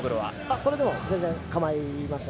これで全然構いません。